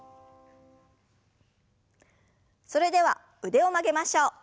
それでは腕を曲げましょう。